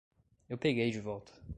Eu peguei de volta.